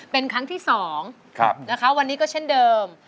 เป็นครั้งที่๒วันนี้ก็เช่นเดิม